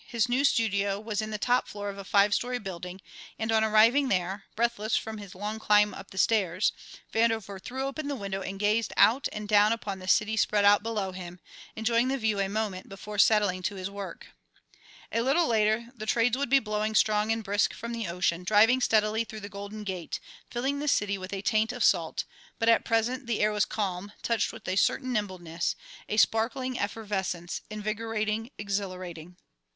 His new studio was in the top floor of a five story building, and on arriving there, breathless from his long climb up the stairs, Vandover threw open the window and gazed out and down upon the city spread out below him, enjoying the view a moment before settling to his work. A little later the trades would be blowing strong and brisk from the ocean, driving steadily through the Golden Gate, filling the city with a taint of salt; but at present the air was calm, touched with a certain nimbleness, a sparkling effervescence, invigourating, exhilarating.